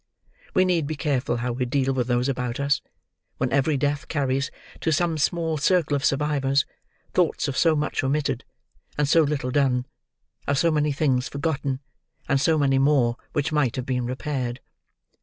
We need be careful how we deal with those about us, when every death carries to some small circle of survivors, thoughts of so much omitted, and so little done—of so many things forgotten, and so many more which might have been repaired!